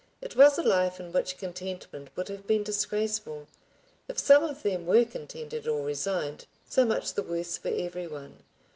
It was a life in which contentment would have been disgraceful. If some of them were contented or resigned, so much the worse for every one.